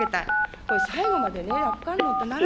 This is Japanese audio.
これ、最後までね、楽観論となら